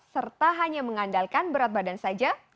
serta hanya mengandalkan berat badan saja